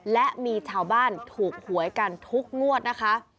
และมีชาวบ้านถูกหวยกันทุกงวดนะคะ